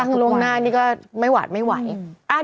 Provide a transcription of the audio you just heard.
เรื่องตั้งโลกหน้านี่ก็ไม่หวัดไม่ไหว